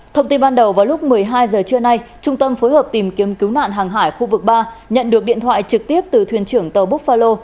thông tin ban đầu vào lúc một mươi hai giờ trưa nay trung tâm phối hợp tìm kiếm cứu nạn hàng hải khu vực ba nhận được điện thoại trực tiếp từ thuyền trưởng tàu bookhalo